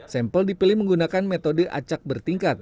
sampel dipilih menggunakan metode acak bertingkat